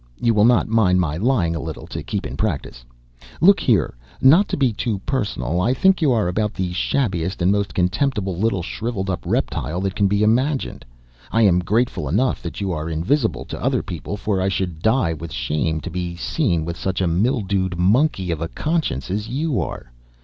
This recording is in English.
(You will not mind my lying a little, to keep in practice.) Look here; not to be too personal, I think you are about the shabbiest and most contemptible little shriveled up reptile that can be imagined. I am grateful enough that you are invisible to other people, for I should die with shame to be seen with such a mildewed monkey of a conscience as you are.